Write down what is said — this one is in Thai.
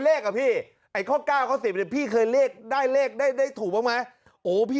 เลขอ่ะพี่ไอ้ข้อ๙ข้อ๑๐พี่เคยเลขได้เลขได้ถูกไหมโอ้พี่